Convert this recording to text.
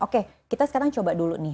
oke kita sekarang coba dulu nih